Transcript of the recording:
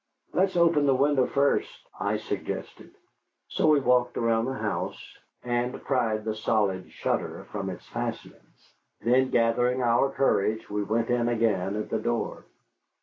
"Let's open the window first," I suggested. So we walked around the house and pried the solid shutter from its fastenings. Then, gathering our courage, we went in again at the door.